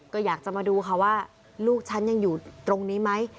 ก็อยากจะมาดูค่ะว่าลูกฉันยังอยู่ตรงนี้ไหม